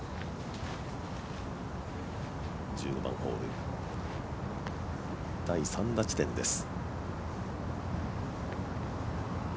１５番ホール第３打地点です。